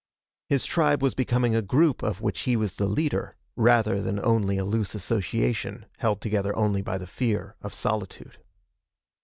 His tribe was becoming a group of which he was the leader, rather than only a loose association held together only by the fear of solitude.